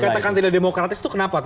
dikatakan tidak demokratis itu kenapa